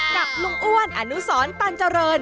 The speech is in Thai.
กับลุงอ้วนอนุศรปัญจรรย์